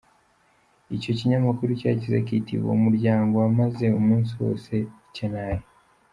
Icyo kinyamakuru cyagize kiti “ Uwo muryango wamaze umunsi wose I Chennai.